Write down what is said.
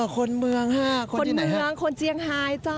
คนเมืองคนเจียงไฮเจ้า